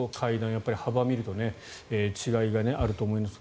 やっぱり幅を見ると違いがあると思います。